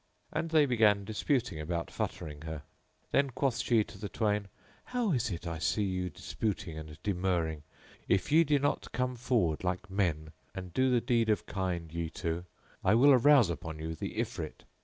And they began disputing about futtering her. Then quoth she to the twain, "How is it I see you disputing and demurring; if ye do not come forward like men and do the deed of kind ye two, I will arouse upon you the Ifrit."